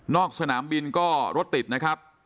สนามบินก็รถติดนะครับ